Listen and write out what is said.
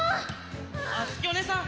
あづきおねえさん！